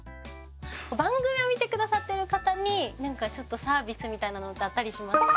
番組を見てくださっている方に何かサービスみたいなのってあったりしますか？